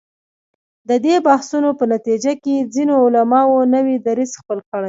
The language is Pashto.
د دې بحثونو په نتیجه کې ځینو علماوو نوی دریځ خپل کړ.